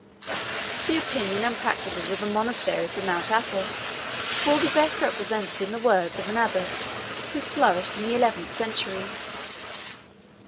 The opinion and practice of the monasteries of Mount Athos 40 will be best represented in the words of an abbot, who flourished in the eleventh century.